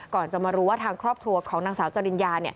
ก่อนจะมารู้ว่าทางครอบครัวของนางสาวจริญญา